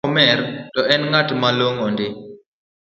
Sama ok omer to en ng’at malong’o ndi